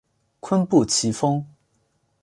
坤布崎峰